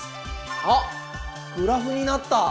あっグラフになった！